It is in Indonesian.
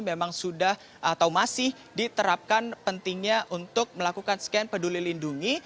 memang sudah atau masih diterapkan pentingnya untuk melakukan scan peduli lindungi